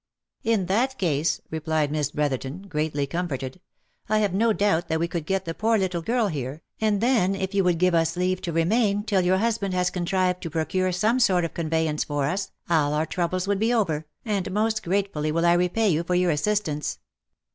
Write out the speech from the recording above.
" In that case," replied Miss Brotherton, greatly comforted, " I have no doubt that we could get the poor little girl here, and then if you would give us leave to remain till your husband has contrived to procure some sort of conveyance for us, all our troubles would be over, and most gratefully will I repay you for your assistance."